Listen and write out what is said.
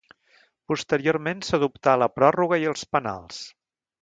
Posteriorment s'adoptà la pròrroga i els penals.